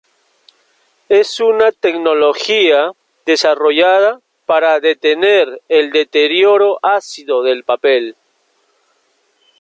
Es una tecnología desarrollada para detener el deterioro ácido del papel.